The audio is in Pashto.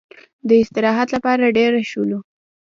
د استراحت لپاره دېره شولو.